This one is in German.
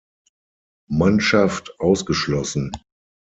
Mannschaft ausgeschlossen.